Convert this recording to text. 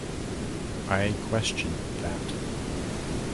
I question that.